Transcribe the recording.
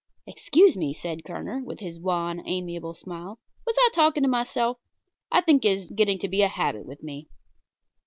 "Excuse me," said Kerner, with his wan, amiable smile; "was I talking to myself? I think it is getting to be a habit with me."